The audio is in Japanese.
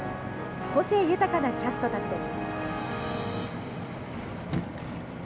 個性豊かなキャストたちです。